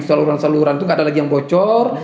saluran saluran itu tidak ada lagi yang bocor